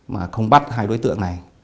mà không bắt hai đối tượng này